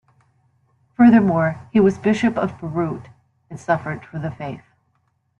Furthermore, he was Bishop of Beirut and suffered for the faith.